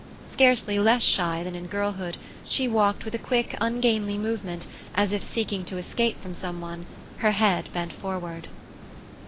Scarcely less shy than in girlhood, she walked with a quick, ungainly movement as if seeking to escape from some one, her head bent forward.